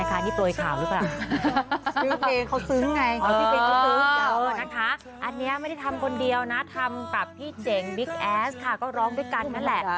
อันนี้ไม่ได้ทำคนเดียวนะทำกับพี่เจ๋งบิ๊กแอสค่ะก็ร้องด้วยกันนั่นแหละ